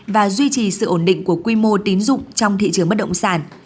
và duy trì sự ổn định của quy mô tín dụng trong thị trường bất động sản